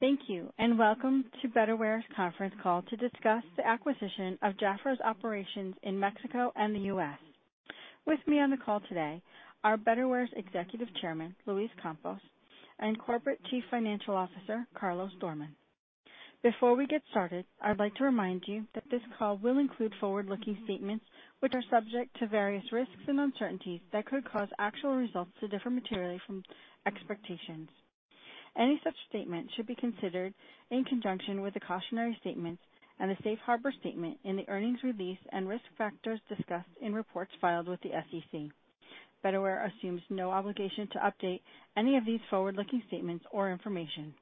Thank you and welcome to Betterware's conference call to discuss the acquisition of JAFRA's operations in Mexico and the U.S. With me on the call today are Betterware's Executive Chairman, Luis Campos, and Corporate Chief Financial Officer, Carlos Doormann. Before we get started, I'd like to remind you that this call will include forward-looking statements, which are subject to various risks and uncertainties that could cause actual results to differ materially from expectations. Any such statement should be considered in conjunction with the cautionary statement and the safe harbor statement in the earnings release and risk factors discussed in reports filed with the SEC. Betterware assumes no obligation to update any of these forward-looking statements or information.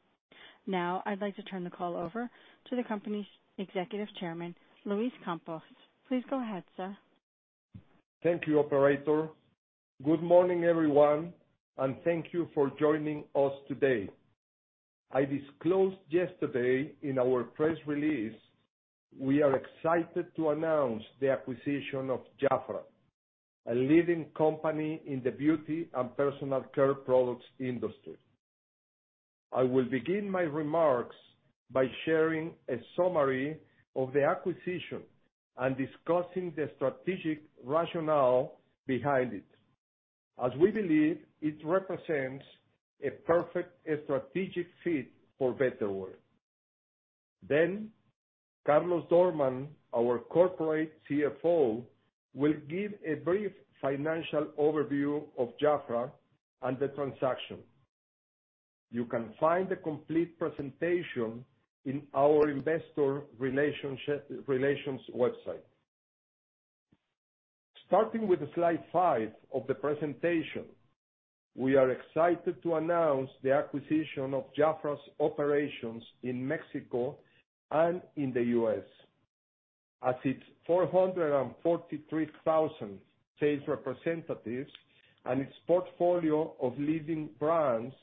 Now I'd like to turn the call over to the company's Executive Chairman, Luis Campos. Please go ahead, sir. Thank you, operator. Good morning, everyone, and thank you for joining us today. I disclosed yesterday in our press release, we are excited to announce the acquisition of JAFRA, a leading company in the beauty and personal care products industry. I will begin my remarks by sharing a summary of the acquisition and discussing the strategic rationale behind it, as we believe it represents a perfect strategic fit for Betterware. Carlos Doormann, our corporate CFO, will give a brief financial overview of JAFRA and the transaction. You can find the complete presentation in our investor relations website. Starting with slide five of the presentation, we are excited to announce the acquisition of JAFRA's operations in Mexico and in the U.S., as its 443,000 sales representatives and its portfolio of leading brands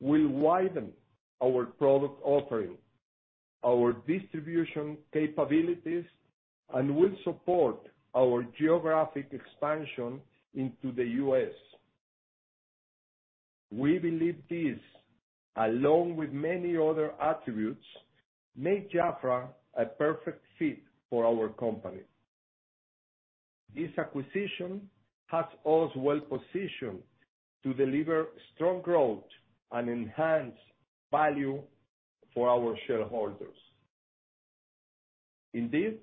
will widen our product offering, our distribution capabilities, and will support our geographic expansion into the U.S. We believe this, along with many other attributes, make JAFRA a perfect fit for our company. This acquisition has us well positioned to deliver strong growth and enhance value for our shareholders. Indeed,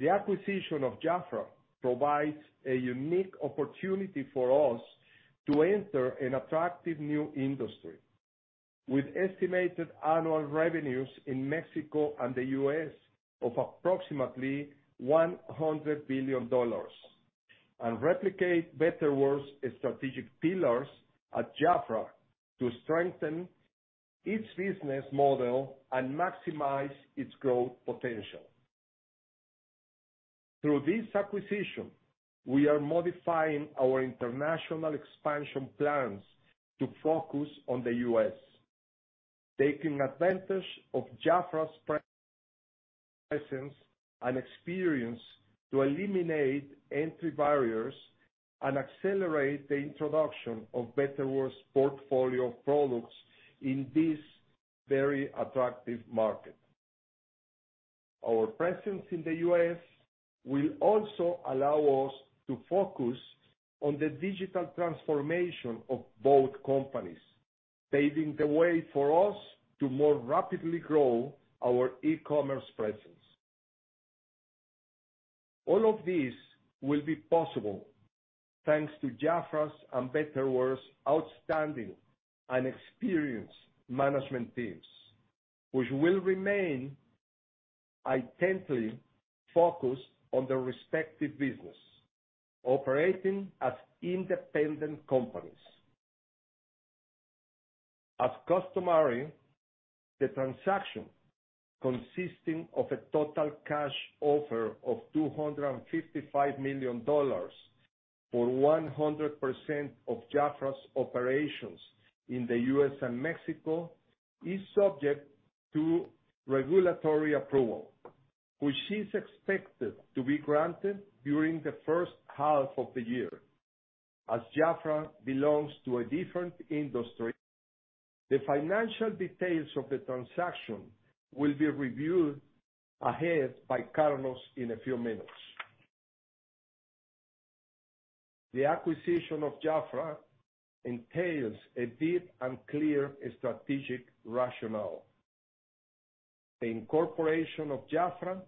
the acquisition of JAFRA provides a unique opportunity for us to enter an attractive new industry with estimated annual revenues in Mexico and the U.S. of approximately $100 billion and replicate Betterware's strategic pillars at JAFRA to strengthen its business model and maximize its growth potential. Through this acquisition, we are modifying our international expansion plans to focus on the U.S., taking advantage of JAFRA's presence and experience to eliminate entry barriers and accelerate the introduction of Betterware's portfolio of products in this very attractive market. Our presence in the U.S. will also allow us to focus on the digital transformation of both companies, paving the way for us to more rapidly grow our e-commerce presence. All of this will be possible thanks to JAFRA's and Betterware's outstanding and experienced management teams, which will remain intently focused on their respective business, operating as independent companies. As customary, the transaction, consisting of a total cash offer of $255 million for 100% of JAFRA's operations in the U.S. and Mexico, is subject to regulatory approval, which is expected to be granted during the first half of the year as JAFRA belongs to a different industry. The financial details of the transaction will be reviewed ahead by Carlos in a few minutes. The acquisition of JAFRA entails a deep and clear strategic rationale. The incorporation of JAFRA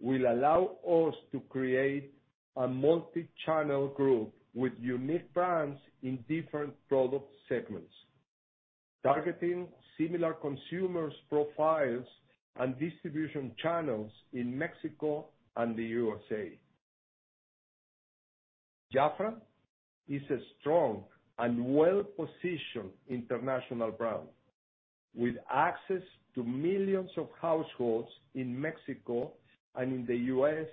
will allow us to create a multi-channel group with unique brands in different product segments, targeting similar consumers profiles and distribution channels in Mexico and the U.S.A. JAFRA is a strong and well-positioned international brand with access to millions of households in Mexico and in the U.S.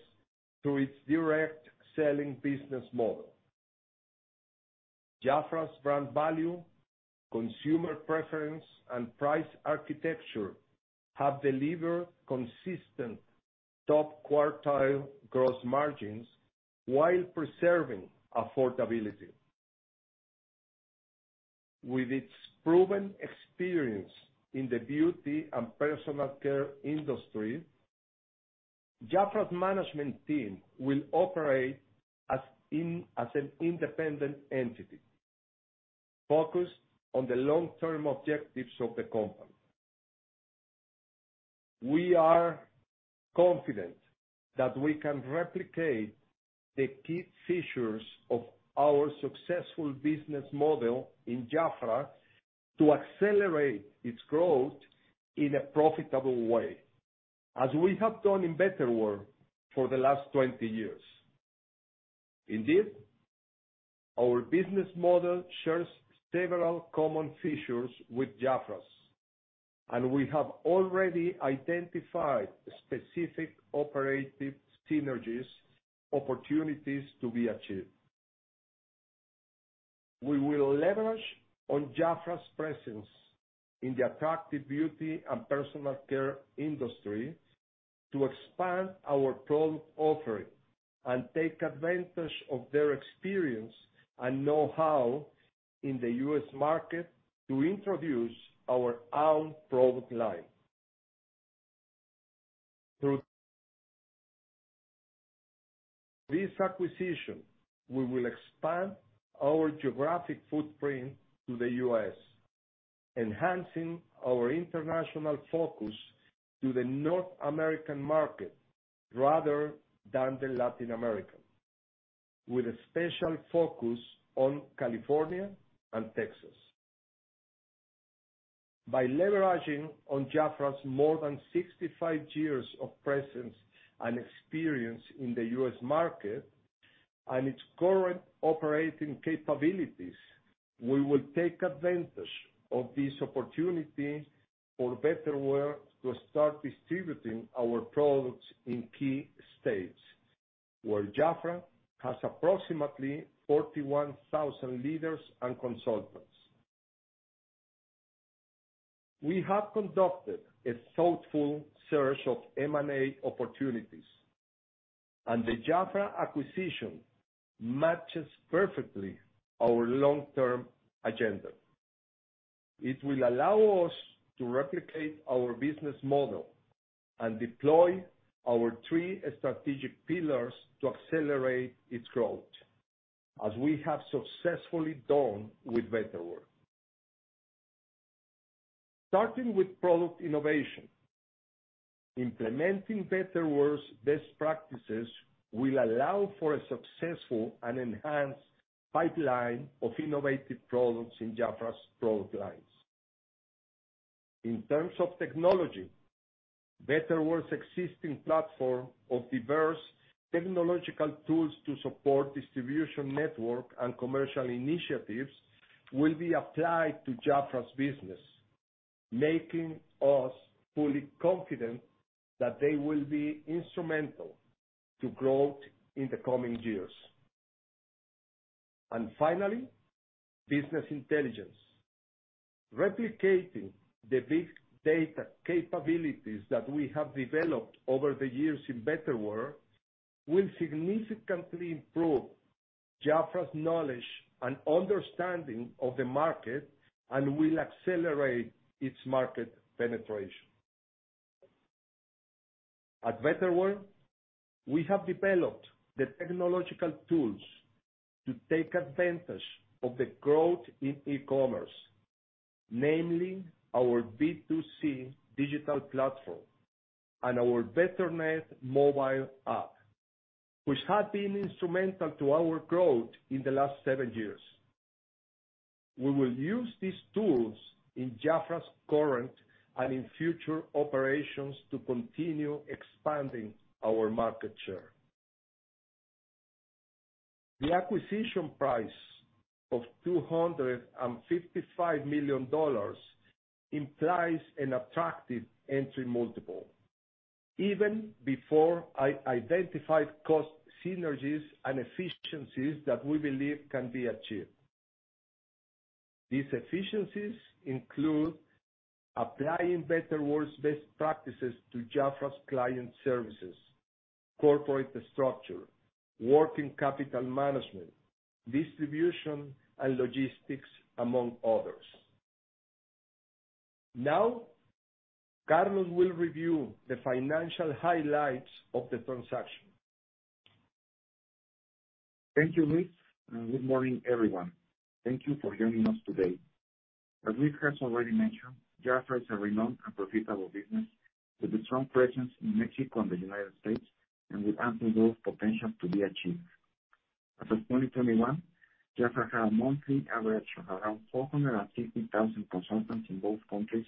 through its direct selling business model. JAFRA's brand value, consumer preference, and price architecture have delivered consistent top quartile gross margins while preserving affordability. With its proven experience in the beauty and personal care industry, JAFRA's management team will operate as an independent entity, focused on the long-term objectives of the company. We are confident that we can replicate the key features of our successful business model in JAFRA to accelerate its growth in a profitable way, as we have done in Betterware for the last 20 years. Indeed, our business model shares several common features with JAFRA's, and we have already identified specific operative synergies opportunities to be achieved. We will leverage on JAFRA's presence in the attractive beauty and personal care industry to expand our product offering and take advantage of their experience and know-how in the U.S. market to introduce our own product line. Through this acquisition, we will expand our geographic footprint to the U.S., enhancing our international focus to the North American market rather than the Latin American, with a special focus on California and Texas. By leveraging on JAFRA's more than 65 years of presence and experience in the U.S. market, and its current operating capabilities, we will take advantage of this opportunity for Betterware to start distributing our products in key states where JAFRA has approximately 41,000 leaders and consultants. We have conducted a thoughtful search of M&A opportunities, and the JAFRA acquisition matches perfectly our long-term agenda. It will allow us to replicate our business model and deploy our three strategic pillars to accelerate its growth, as we have successfully done with Betterware. Starting with product innovation, implementing Betterware's best practices will allow for a successful and enhanced pipeline of innovative products in JAFRA's product lines. In terms of technology, Betterware's existing platform of diverse technological tools to support distribution network and commercial initiatives will be applied to JAFRA's business, making us fully confident that they will be instrumental to growth in the coming years. Finally, business intelligence, replicating the big data capabilities that we have developed over the years in Betterware will significantly improve JAFRA's knowledge and understanding of the market and will accelerate its market penetration. At Betterware, we have developed the technological tools to take advantage of the growth in e-commerce, namely our B2C digital platform and our BetterNet mobile app, which have been instrumental to our growth in the last seven years. We will use these tools in JAFRA's current and in future operations to continue expanding our market share. The acquisition price of $255 million implies an attractive entry multiple even before identified cost synergies and efficiencies that we believe can be achieved. These efficiencies include applying Betterware's best practices to JAFRA's client services, corporate structure, working capital management, distribution, and logistics, among others. Now, Carlos will review the financial highlights of the transaction. Thank you, Luis, and good morning, everyone. Thank you for joining us today. As Luis has already mentioned, JAFRA is a renowned and profitable business with a strong presence in Mexico and the United States and with ample growth potential to be achieved. As of 2021, JAFRA had a monthly average of around 450,000 consultants in both countries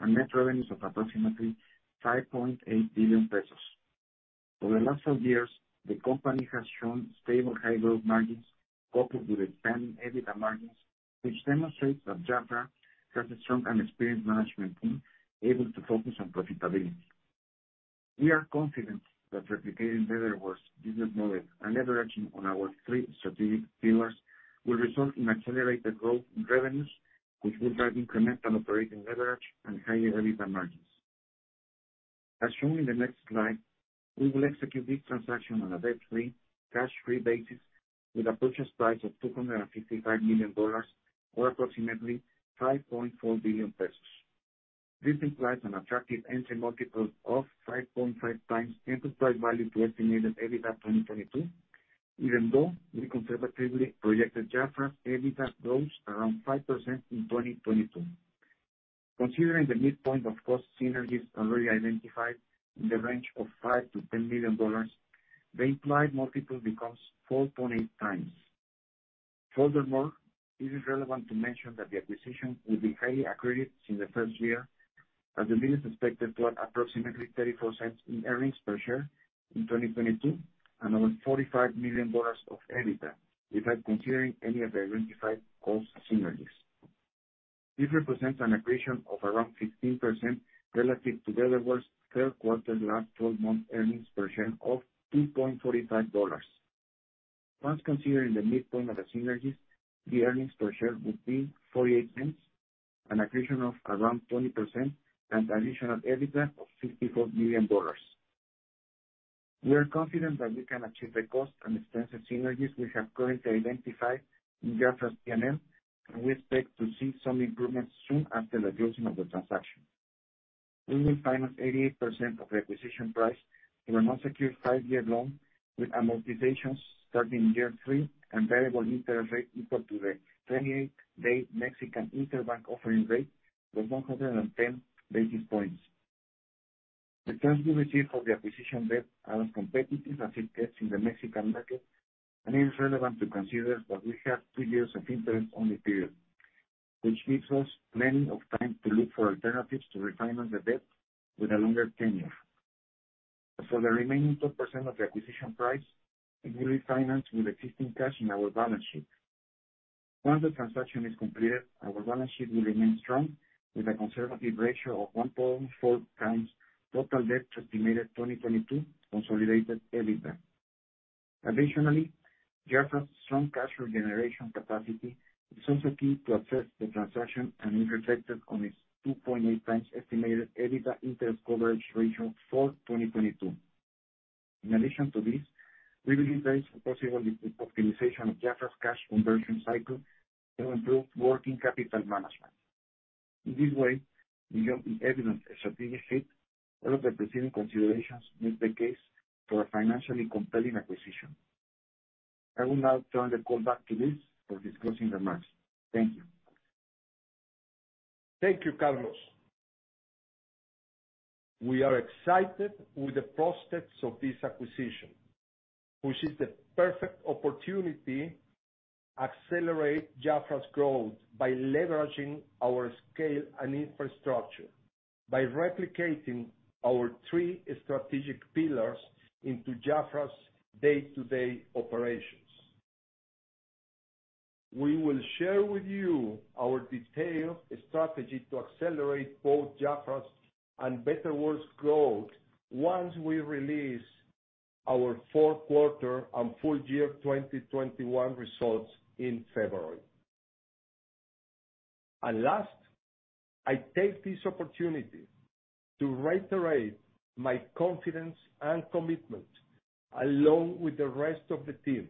and net revenues of approximately 5.8 billion pesos. Over the last some years, the company has shown stable high growth margins coupled with expanding EBITDA margins, which demonstrates that JAFRA has a strong and experienced management team able to focus on profitability. We are confident that replicating Betterware's business model and leveraging on our three strategic pillars will result in accelerated growth in revenues, which will drive incremental operating leverage and higher EBITDA margins. As shown in the next slide, we will execute this transaction on a debt-free, cash-free basis with a purchase price of $255 million or approximately 5.4 billion pesos. This implies an attractive entry multiple of 5.5x enterprise value to estimated EBITDA 2022, even though we conservatively projected JAFRA's EBITDA growth around 5% in 2022. Considering the midpoint of cost synergies already identified in the range of $5 million-$10 million, the implied multiple becomes 4.8x. Furthermore, it is relevant to mention that the acquisition will be highly accretive in the first year as the deal is expected to add approximately $0.34 in earnings per share in 2022 and over $45 million of EBITDA without considering any of the identified cost synergies. This represents an accretion of around 15% relative to Betterware's third quarter last 12-month earnings per share of $2.45. Once considering the midpoint of the synergies, the earnings per share would be $0.48, an accretion of around 20% and additional EBITDA of $54 million. We are confident that we can achieve the cost and expense synergies we have currently identified in JAFRA's P&L, and we expect to see some improvements soon after the closing of the transaction. We will finance 88% of the acquisition price through a non-secured five-year loan with amortizations starting year three and variable interest rate equal to the 28-day Mexican interbank equilibrium interest rate plus 110 basis points. The terms we received for the acquisition debt are as competitive as it gets in the Mexican market, and it is relevant to consider that we have three years of interest-only period, which gives us plenty of time to look for alternatives to refinance the debt with a longer tenure. As for the remaining 12% of the acquisition price, it will be financed with existing cash in our balance sheet. Once the transaction is completed, our balance sheet will remain strong with a conservative ratio of 1.4x total debt to estimated 2022 consolidated EBITDA. Additionally, JAFRA's strong cash generation capacity is also key to assess the transaction and is reflected on its 2.8x estimated EBITDA interest coverage ratio for 2022. In addition to this, we will utilize the possible optimization of JAFRA's cash conversion cycle to improve working capital management. In this way, beyond the evident strategic fit, all of the preceding considerations make the case for a financially compelling acquisition. I will now turn the call back to Luis for his closing remarks. Thank you. Thank you, Carlos. We are excited with the prospects of this acquisition, which is the perfect opportunity to accelerate JAFRA's growth by leveraging our scale and infrastructure, by replicating our three strategic pillars into JAFRA's day-to-day operations. We will share with you our detailed strategy to accelerate both JAFRA's and Betterware's growth once we release our fourth quarter and full year 2021 results in February. Last, I take this opportunity to reiterate my confidence and commitment, along with the rest of the team,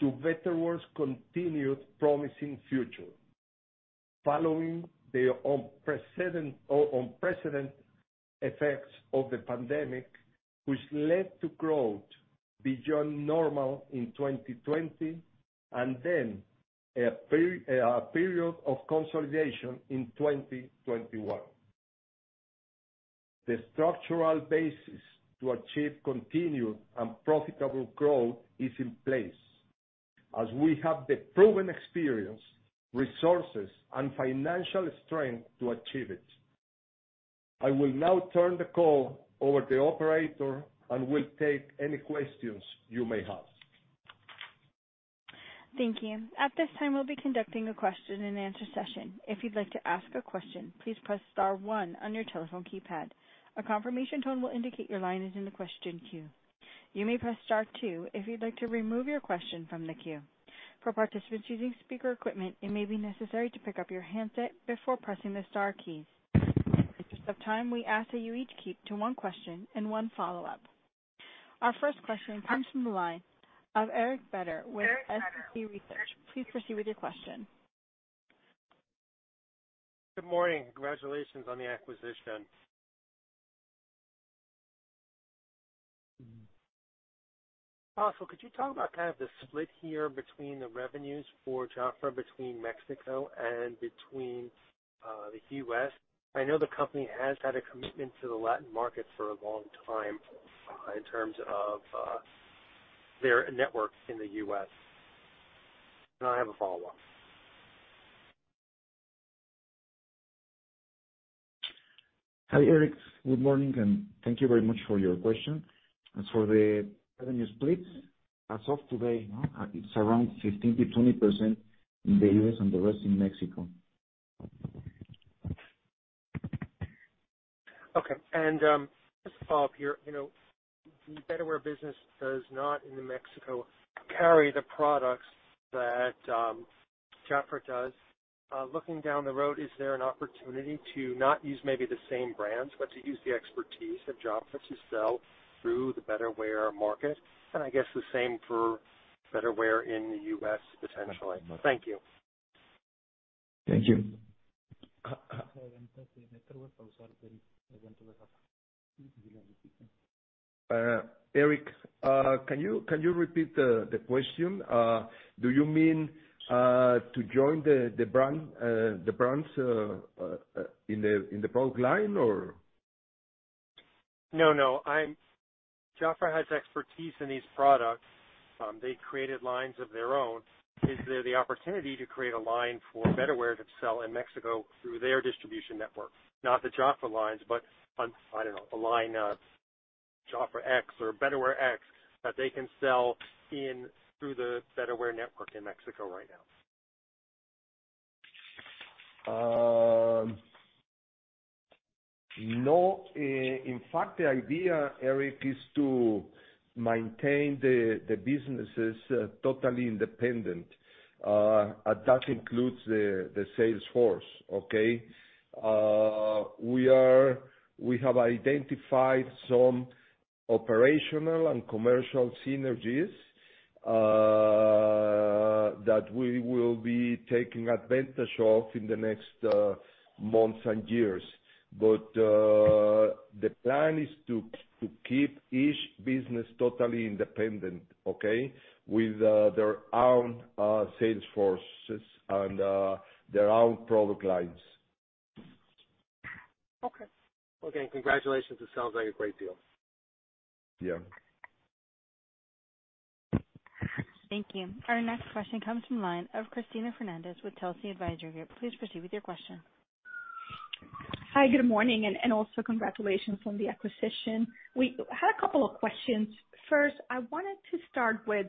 to Betterware's continued promising future following the unprecedented effects of the pandemic, which led to growth beyond normal in 2020 and then a period of consolidation in 2021. The structural basis to achieve continued and profitable growth is in place as we have the proven experience, resources, and financial strength to achieve it. I will now turn the call over to operator and will take any questions you may have. Thank you. At this time, we'll be conducting a question-and-answer session. If you'd like to ask a question, please press star one on your telephone keypad. A confirmation tone will indicate your line is in the question queue. You may press star two if you'd like to remove your question from the queue. For participants using speaker equipment, it may be necessary to pick up your handset before pressing the star keys. In the interest of time, we ask that you each keep to one question and one follow-up. Our first question comes from the line of Eric Beder with SCC Research. Please proceed with your question. Good morning. Congratulations on the acquisition. Also, could you talk about kind of the split here between the revenues for JAFRA between Mexico and between the U.S.? I know the company has had a commitment to the Latin market for a long time, in terms of their network in the U.S. I have a follow-up. Hi, Eric. Good morning, and thank you very much for your question. As for the revenue split, as of today, it's around 15%-20% in the U.S. and the rest in Mexico. Okay. Just to follow up here, you know, the Betterware business does not in Mexico carry the products that JAFRA does. Looking down the road, is there an opportunity to not use maybe the same brands, but to use the expertise of JAFRA to sell through the Betterware market? I guess the same for Betterware in the U.S. potentially. Thank you. Thank you. Eric, can you repeat the question? Do you mean to join the brands in the product line or? No, no. JAFRA has expertise in these products. They created lines of their own. Is there the opportunity to create a line for Betterware to sell in Mexico through their distribution network? Not the JAFRA lines, but, I don't know, a line of JAFRA X or Betterware X that they can sell in through the Betterware network in Mexico right now. No. In fact, the idea, Eric, is to maintain the businesses totally independent. That includes the sales force. Okay? We have identified some operational and commercial synergies that we will be taking advantage of in the next months and years. The plan is to keep each business totally independent, okay? With their own sales forces and their own product lines. Okay, congratulations, this sounds like a great deal. Yeah. Thank you. Our next question comes from the line of Cristina Fernández with Telsey Advisory Group. Please proceed with your question. Hi, good morning, and also congratulations on the acquisition. We had a couple of questions. First, I wanted to start with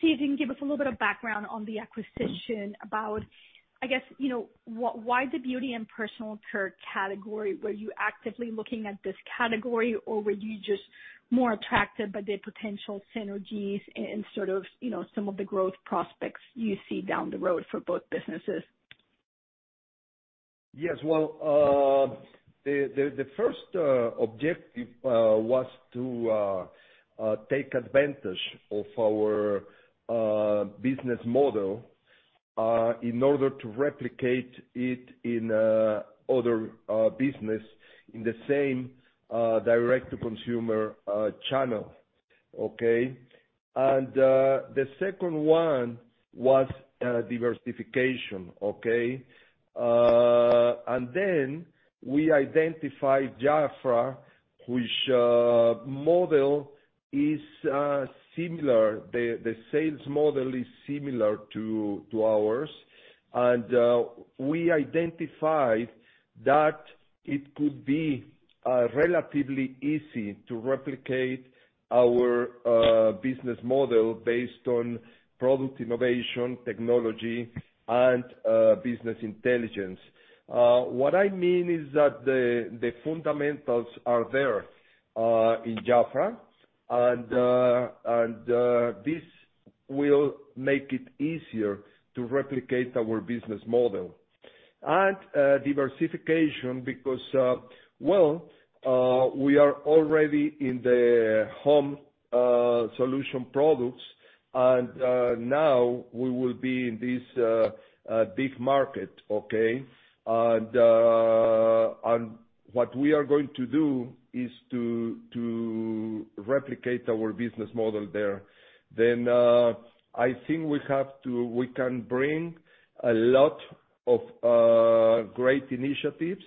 seeing if you can give us a little bit of background on the acquisition about, I guess, you know, why the beauty and personal care category? Were you actively looking at this category or were you just more attracted by the potential synergies and sort of, you know, some of the growth prospects you see down the road for both businesses? Yes. Well, the first objective was to take advantage of our business model in order to replicate it in other business in the same direct to consumer channel. Okay? The second one was diversification. Okay? We identified JAFRA whose model is similar, the sales model is similar to ours. We identified that it could be relatively easy to replicate our business model based on product innovation, technology and business intelligence. What I mean is that the fundamentals are there in JAFRA and this will make it easier to replicate our business model. Diversification because, well, we are already in the home solution products and now we will be in this big market, okay? What we are going to do is to replicate our business model there. I think we can bring a lot of great initiatives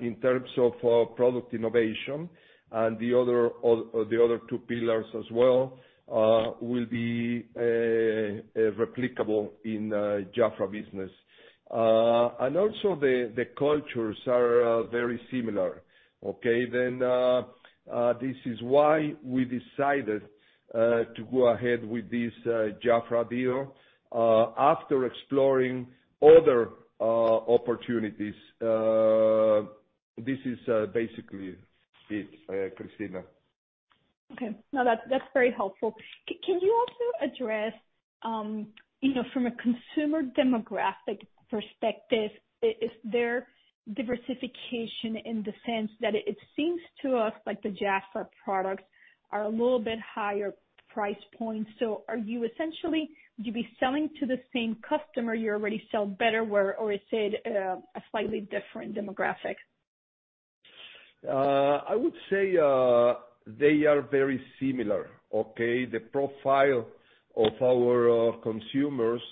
in terms of product innovation and the other two pillars as well will be replicable in JAFRA business. Also the cultures are very similar. Okay? This is why we decided to go ahead with this JAFRA deal after exploring other opportunities. This is basically it, Cristina. Okay. No, that's very helpful. Can you also address, you know, from a consumer demographic perspective, is there diversification in the sense that it seems to us like the JAFRA products are a little bit higher price point. Would you be selling to the same customer you already sell Betterware, or is it a slightly different demographic? I would say they are very similar. Okay? The profile of our consumers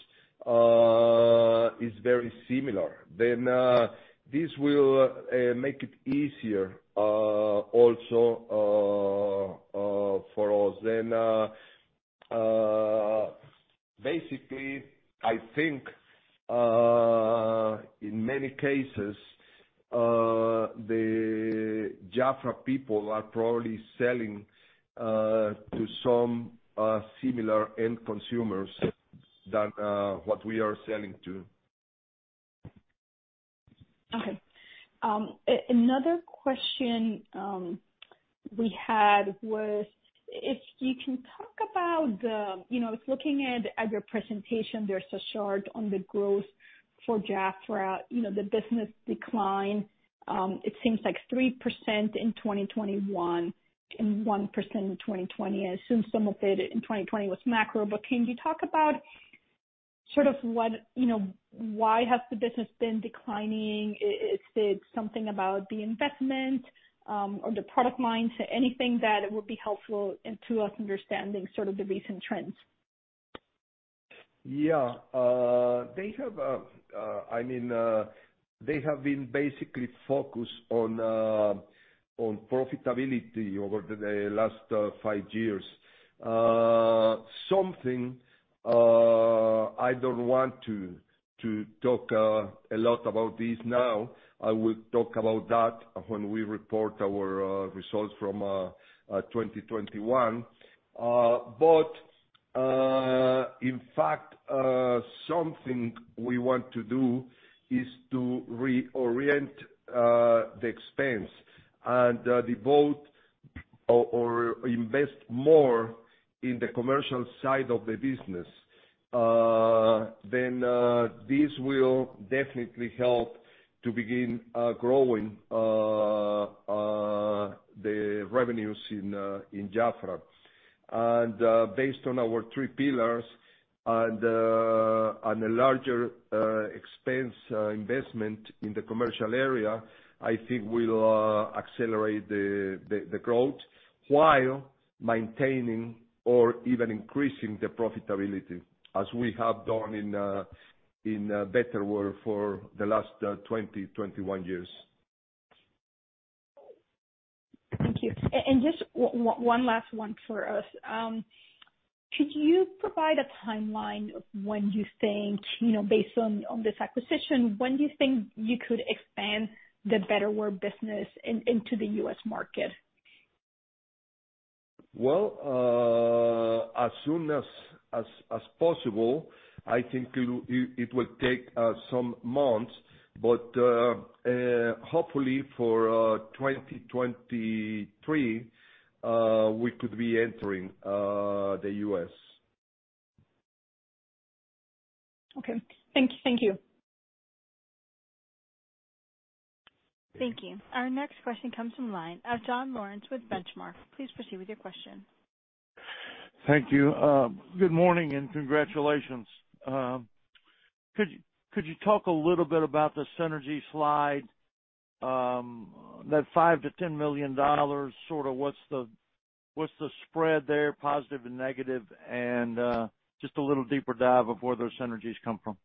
is very similar. Basically, I think in many cases the JAFRA people are probably selling to some similar end consumers to what we are selling to. Okay. Another question we had was if you can talk about the, you know, looking at your presentation, there's a chart on the growth for JAFRA, you know, the business decline. It seems like 3% in 2021 and 1% in 2020. I assume some of it in 2020 was macro, but can you talk about sort of what, you know, why has the business been declining? Is it something about the investment or the product line? Anything that would be helpful to us understanding sort of the recent trends. I mean, they have been basically focused on profitability over the last five years. I don't want to talk a lot about this now. I will talk about that when we report our results from 2021. In fact, something we want to do is to reorient the expense and devote or invest more in the commercial side of the business. This will definitely help to begin growing the revenues in JAFRA. Based on our three pillars and a larger expense investment in the commercial area, I think will accelerate the growth while maintaining or even increasing the profitability as we have done in Betterware for the last 21 years. Thank you. Just one last one for us. Could you provide a timeline of when you think, you know, based on this acquisition, when do you think you could expand the Betterware business into the U.S. market? Well, as soon as possible. I think it will take some months, but hopefully for 2023, we could be entering the U.S. Okay. Thank you. Thank you. Our next question comes from the line of John Lawrence with Benchmark. Please proceed with your question. Thank you. Good morning and congratulations. Could you talk a little bit about the synergy slide, that $5 million-$10 million, sort of what's the spread there, positive and negative? Just a little deeper dive of where those synergies come from.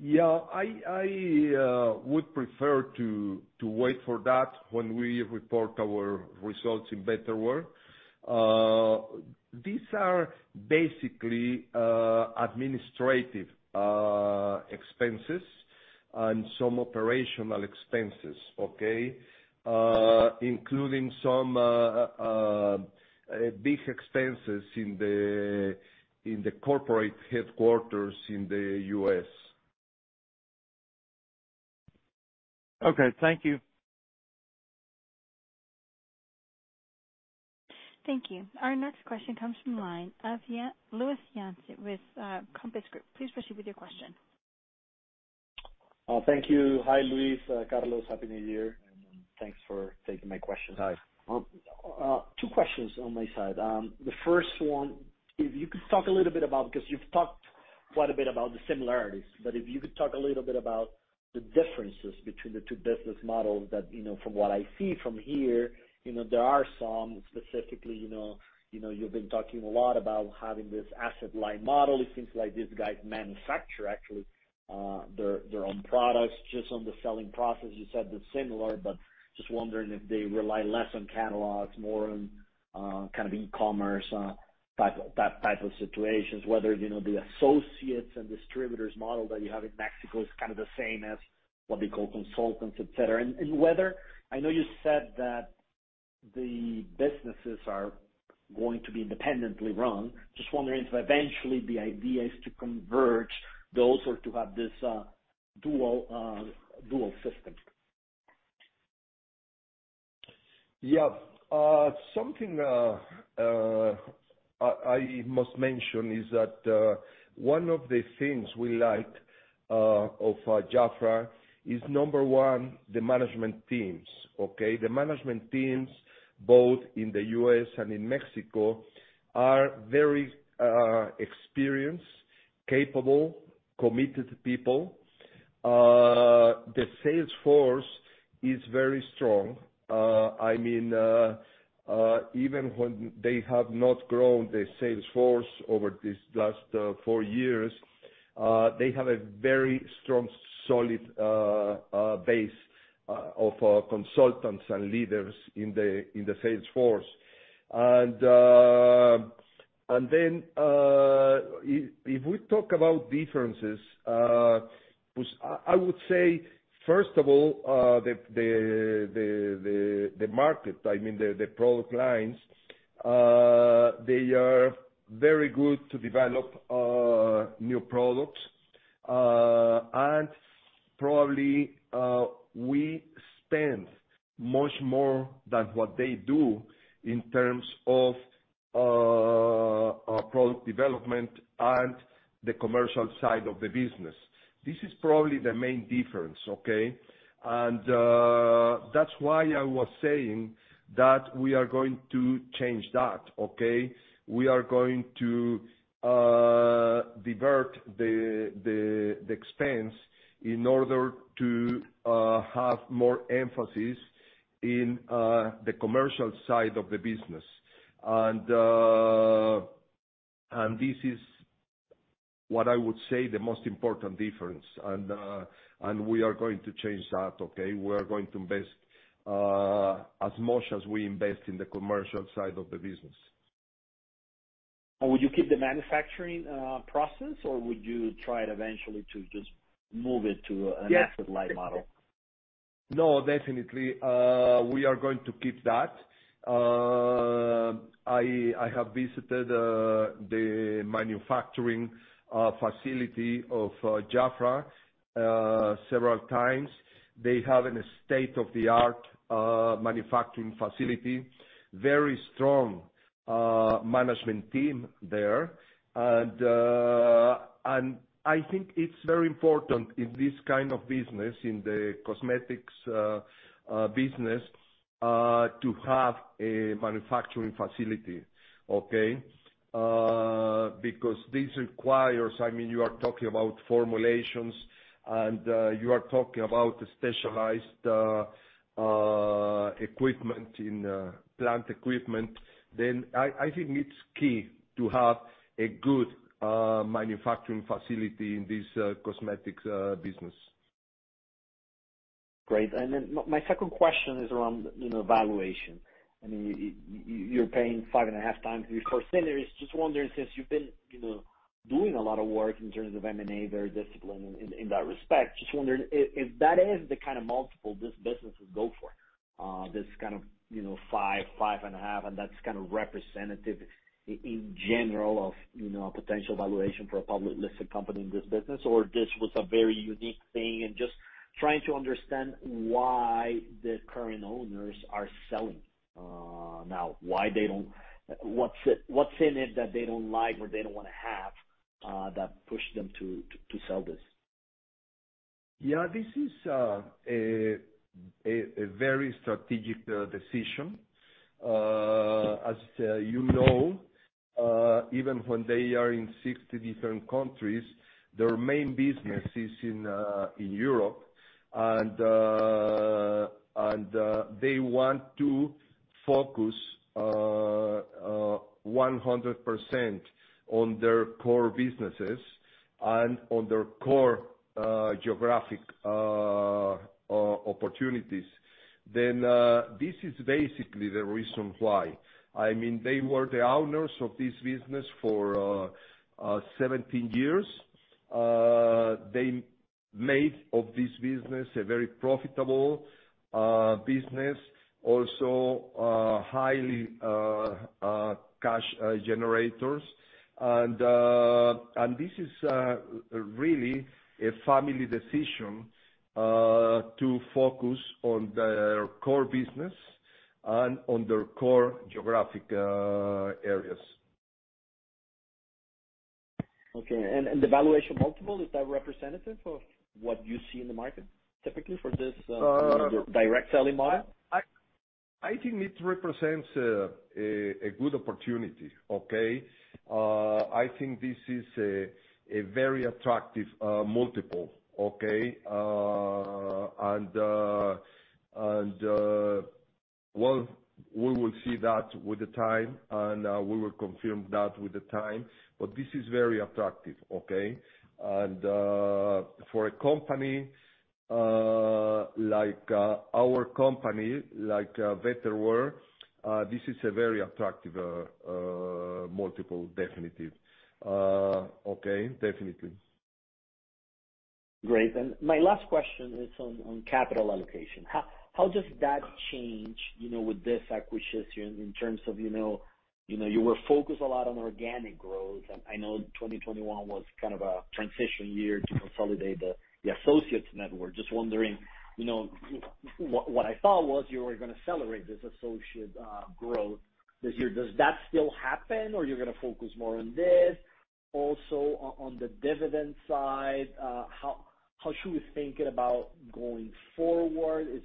Yeah. I would prefer to wait for that when we report our results in Betterware. These are basically administrative expenses and some operational expenses, okay, including some big expenses in the corporate headquarters in the U.S. Okay. Thank you. Thank you. Our next question comes from the line of Luis Yance with Compass Group. Please proceed with your question. Thank you. Hi, Luis, Carlos. Happy New Year, and thanks for taking my questions. Hi. Two questions on my side. The first one, if you could talk a little bit about, because you've talked quite a bit about the similarities, but if you could talk a little bit about the differences between the two business models that, you know, from what I see from here, you know, there are some specifically, you know, you've been talking a lot about having this asset-light model. It seems like these guys manufacture actually their own products. Just on the selling process, you said they're similar, but just wondering if they rely less on catalogs, more on kind of e-commerce type of situations, whether you know, the associates and distributors model that you have in Mexico is kind of the same as what we call consultants, et cetera. And whether... I know you said that the businesses are going to be independently run. Just wondering if eventually the idea is to converge those or to have this dual system? Something I must mention is that one of the things we liked of JAFRA is number one, the management teams, okay. The management teams both in the U.S. and in Mexico are very experienced, capable, committed people. The sales force is very strong. I mean, even when they have not grown the sales force over this last four years, they have a very strong, solid base of consultants and leaders in the sales force. If we talk about differences, which I would say first of all, the market, I mean the product lines, they are very good to develop new products. Probably, we spend much more than what they do in terms of our product development and the commercial side of the business. This is probably the main difference, okay? That's why I was saying that we are going to change that, okay? We are going to divert the expense in order to have more emphasis in the commercial side of the business. This is what I would say the most important difference. We are going to change that, okay? We are going to invest as much as we invest in the commercial side of the business. Would you keep the manufacturing process, or would you try eventually to just move it to an asset-light model? No, definitely, we are going to keep that. I have visited the manufacturing facility of JAFRA several times. They have a state-of-the-art manufacturing facility, very strong management team there. I think it's very important in this kind of business, in the cosmetics business, to have a manufacturing facility, okay? Because this requires, I mean, you are talking about formulations and you are talking about specialized equipment in plant equipment. I think it's key to have a good manufacturing facility in this cosmetics business. Great. Then my second question is around, you know, valuation. I mean, you're paying 5.5x your core sellers. Just wondering, since you've been, you know, doing a lot of work in terms of M&A, very disciplined in that respect, just wondering if that is the kind of multiple this business would go for, this kind of, you know, 5.5x, and that's kind of representative in general of, you know, a potential valuation for a public-listed company in this business, or this was a very unique thing. Just trying to understand why the current owners are selling now. Why they don't... What's in it that they don't like or they don't wanna have that pushed them to sell this? Yeah. This is a very strategic decision. As you know, even when they are in 60 different countries, their main business is in Europe. They want to focus 100% on their core businesses and on their core geographic opportunities. This is basically the reason why. I mean, they were the owners of this business for 17 years. They made of this business a very profitable business, also highly cash generators. This is really a family decision to focus on their core business and on their core geographic areas. The valuation multiple, is that representative of what you see in the market typically for this, you know, your direct selling model? I think it represents a good opportunity, okay. I think this is a very attractive multiple, okay. Well, we will see that with the time, and we will confirm that with the time, but this is very attractive, okay. For a company like our company like Betterware, this is a very attractive multiple, definitely. Okay, definitely. Great. My last question is on capital allocation. How does that change, you know, with this acquisition in terms of, you know? You know, you were focused a lot on organic growth, and I know 2021 was kind of a transition year to consolidate the associates network. Just wondering, you know, what I thought was you were gonna celebrate this associate growth this year. Does that still happen, or you're gonna focus more on this? Also on the dividend side, how should we think about going forward? Is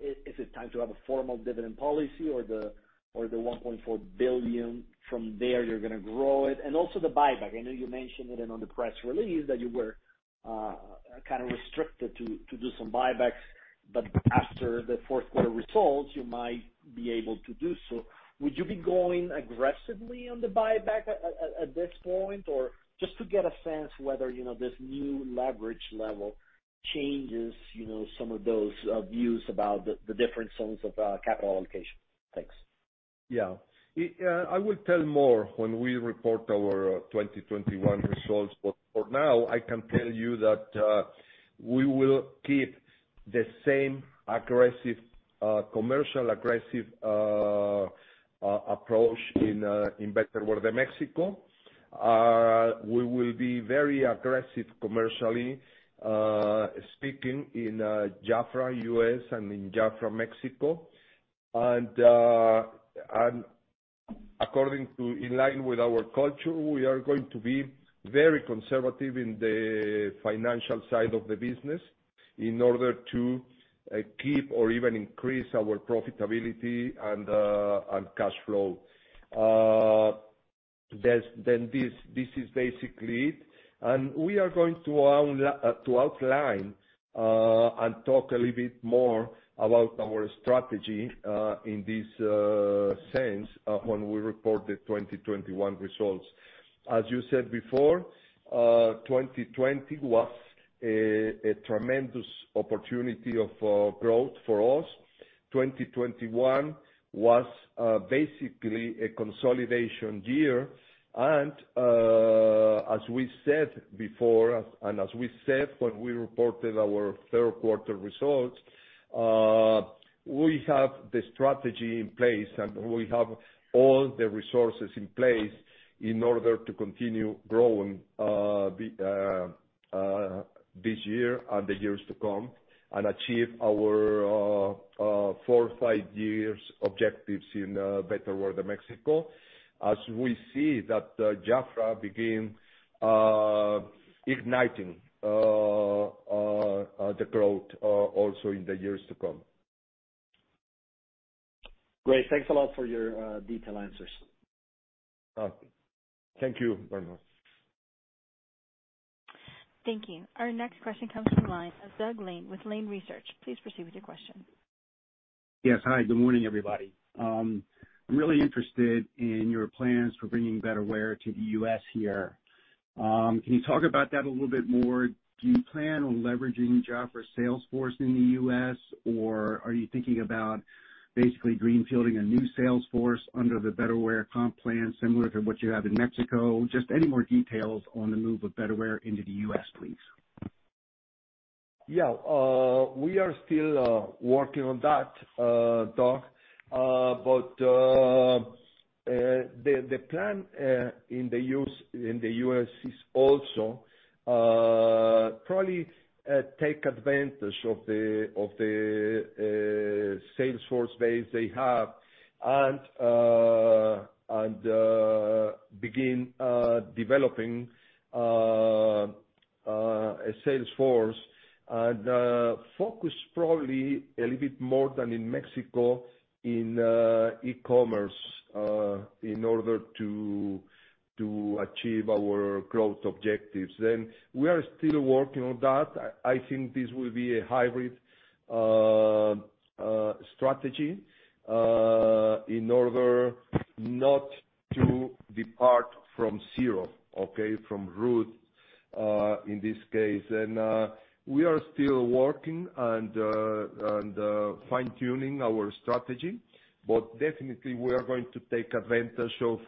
it time to have a formal dividend policy or the 1.4 billion, from there, you're gonna grow it? Also the buyback. I know you mentioned it in the press release that you were kind of restricted to do some buybacks, but after the fourth quarter results, you might be able to do so. Would you be going aggressively on the buyback at this point? Or just to get a sense whether, you know, this new leverage level changes, you know, some of those views about the different zones of capital allocation. Thanks. Yeah. I will tell more when we report our 2021 results, but for now, I can tell you that we will keep the same aggressive commercial approach in Betterware de México. We will be very aggressive commercially speaking in JAFRA U.S. and in JAFRA Mexico. In line with our culture, we are going to be very conservative in the financial side of the business in order to keep or even increase our profitability and cash flow. This is basically it, and we are going to outline and talk a little bit more about our strategy in this sense when we report the 2021 results. As you said before, 2020 was a tremendous opportunity of growth for us. 2021 was basically a consolidation year. As we said before and as we said when we reported our third quarter results, we have the strategy in place, and we have all the resources in place in order to continue growing this year and the years to come and achieve our four or five year objectives in Betterware de México. As we see that JAFRA begin igniting the growth also in the years to come. Great. Thanks a lot for your detailed answers. Thank you very much. Thank you. Our next question comes from the line of Doug Lane with Lane Research. Please proceed with your question. Yes. Hi, good morning, everybody. I'm really interested in your plans for bringing Betterware to the U.S. here. Can you talk about that a little bit more? Do you plan on leveraging JAFRA sales force in the U.S., or are you thinking about basically greenfielding a new sales force under the Betterware comp plan, similar to what you have in Mexico? Just any more details on the move of Betterware into the U.S., please. Yeah. We are still working on that, Doug. The plan in the U.S. is also probably take advantage of the sales force base they have and begin developing a sales force. Focus probably a little bit more than in Mexico in e-commerce in order to achieve our growth objectives. We are still working on that. I think this will be a hybrid strategy in order not to depart from zero, okay? From root in this case. We are still working and fine-tuning our strategy. Definitely we are going to take advantage of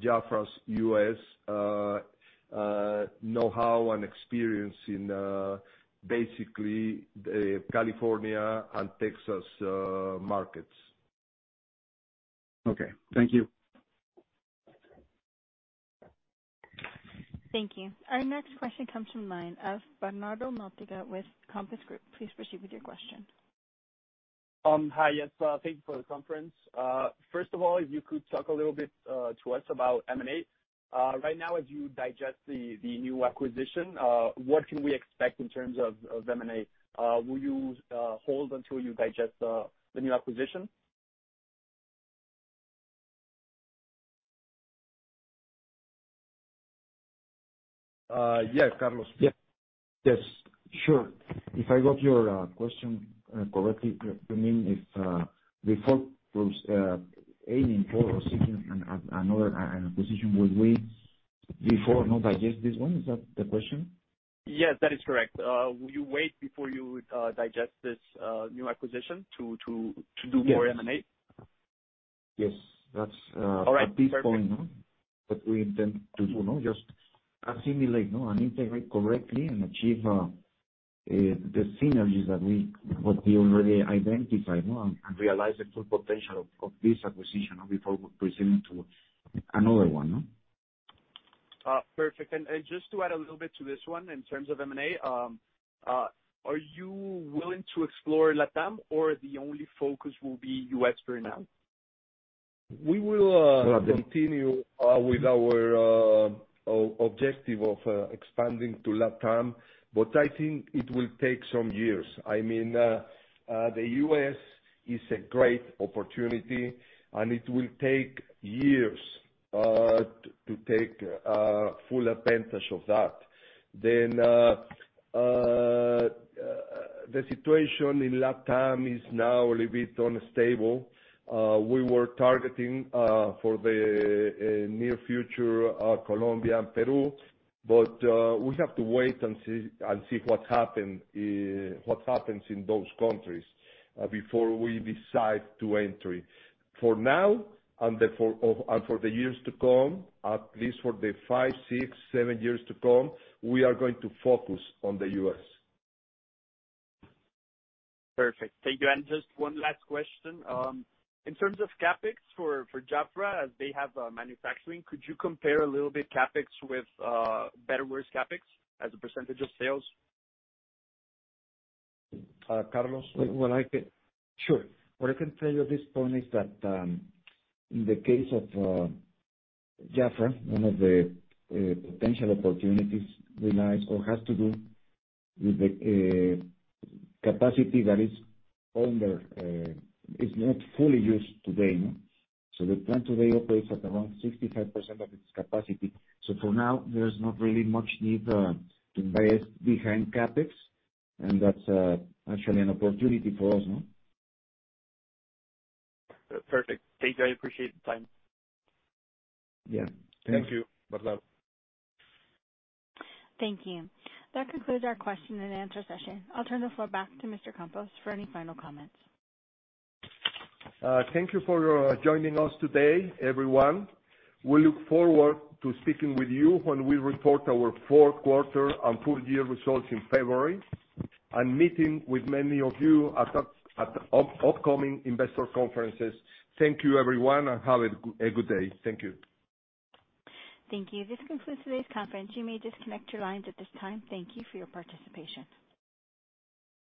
JAFRA's U.S. know-how and experience in basically the California and Texas markets. Okay. Thank you. Thank you. Our next question comes from the line of Bernardo Nogueira with Compass Group. Please proceed with your question. Hi. Yes. Thank you for the conference. First of all, if you could talk a little bit to us about M&A. Right now as you digest the new acquisition, what can we expect in terms of M&A? Will you hold until you digest the new acquisition? Yes, Carlos. Yeah. Yes. Sure. If I got your question correctly, you mean if before aiming for seeking another acquisition, would we before not digest this one? Is that the question? Yes, that is correct. Will you wait before you digest this new acquisition to do- Yes. More M&A? Yes. That's. All right. At this point, no, that we intend to do, no? Just assimilate, no, and integrate correctly and achieve the synergies that we already identified, no? And realize the full potential of this acquisition before we proceed into another one, no? Perfect. Just to add a little bit to this one in terms of M&A, are you willing to explore LatAm or the only focus will be U.S. for now? We will continue with our objective of expanding to LatAm, but I think it will take some years. I mean, the U.S. is a great opportunity, and it will take years to take full advantage of that. The situation in LatAm is now a little bit unstable. We were targeting for the near future Colombia and Peru, but we have to wait and see what happens in those countries before we decide to enter it. For now and for the years to come, at least for the five, six, seven years to come, we are going to focus on the U.S. Perfect. Thank you. Just one last question. In terms of CapEx for JAFRA, as they have manufacturing, could you compare a little bit CapEx with Betterware's CapEx as a percentage of sales? Carlos? What I can tell you at this point is that, in the case of JAFRA, one of the potential opportunities relies or has to do with the capacity that is not fully used today. The plant today operates at around 65% of its capacity. For now, there's not really much need to invest behind CapEx, and that's actually an opportunity for us, no? Perfect. Thank you. I appreciate the time. Yeah. Thanks. Thank you, Bernardo. Thank you. That concludes our question and answer session. I'll turn the floor back to Mr. Campos for any final comments. Thank you for joining us today, everyone. We look forward to speaking with you when we report our fourth quarter and full year results in February, and meeting with many of you at the upcoming investor conferences. Thank you, everyone, and have a good day. Thank you. Thank you. This concludes today's conference. You may disconnect your lines at this time. Thank you for your participation.